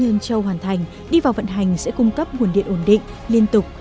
khi xã nhân trong hoàn thành đi vào vận hành sẽ cung cấp nguồn điện ổn định liên tục